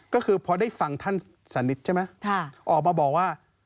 ก็คือพอได้ฟังท่านสานิทใช่ไหมออกมาบอกว่า